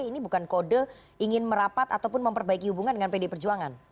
ini bukan kode ingin merapat ataupun memperbaiki hubungan dengan pd perjuangan